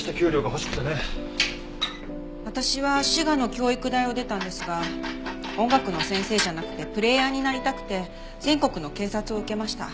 私は滋賀の教育大を出たんですが音楽の先生じゃなくてプレーヤーになりたくて全国の警察を受けました。